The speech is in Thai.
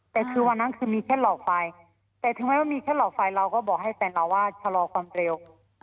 แต่คือวันนั้นคือมีแค่หลอกไฟแต่ถึงแม้ว่ามีแค่หลอกไฟเราก็บอกให้แฟนเราว่าชะลอความเร็ว